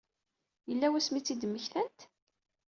Yella wasmi i tt-id-mmektant?